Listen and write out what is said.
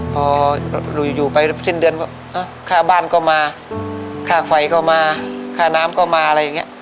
พออยู่ไปสิ้นเดือนค่าบ้านก็มาค่าไฟก็มาค่าน้ำก็มาอะไรอย่างนี้